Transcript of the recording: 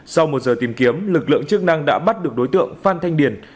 sau một giờ tìm kiếm lực lượng chức năng đã bắt được đối tượng phan thanh điền